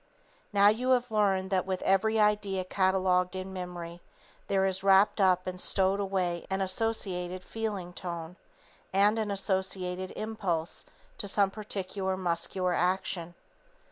_ _Now, you have learned that with every idea catalogued in memory, there is wrapped up and stowed away an associated "feeling tone" and an associated impulse to some particular muscular action.